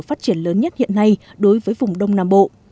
phát triển lớn nhất hiện nay đối với vùng đông nam bộ